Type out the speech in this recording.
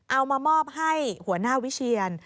เอามามอบให้หัวหน้าวิเชียน